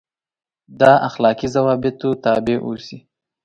دا اخلاقي ضوابطو تابع اوسي.